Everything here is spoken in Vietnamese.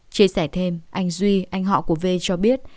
chia sẻ thêm anh duy anh họ của v cho biết